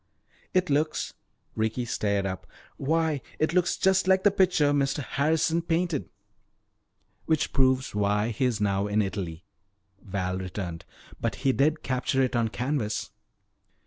"It looks " Ricky stared up, "why, it looks just like the picture Mr. Harrison painted!" "Which proves why he is now in Italy," Val returned. "But he did capture it on canvas."